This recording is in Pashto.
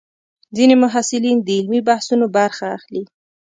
ځینې محصلین د علمي بحثونو برخه اخلي.